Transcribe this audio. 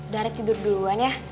darah tidur duluan ya